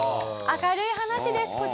明るい話です